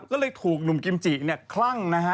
ก็เลยถูกหนุ่มกิมจิเนี่ยคลั่งนะฮะ